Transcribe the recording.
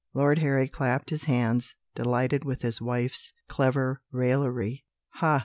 Lord Harry clapped his hands, delighted with his wife's clever raillery: "Ha!